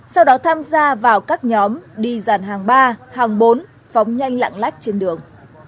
sau đó tham gia vào các nhóm đi dàn hàng ba hàng bốn phóng nhanh lạng lách trên đường